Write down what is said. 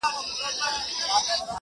o زور او زير مي ستا په لاس کي وليدی.